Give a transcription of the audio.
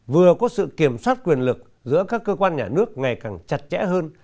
vừa có sự kiểm soát quyền lực giữa các cơ quan nhà nước ngày càng chặt chẽ hơn